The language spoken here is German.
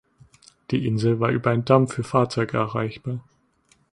Die Insel war über einen Damm für Fahrzeuge erreichbar.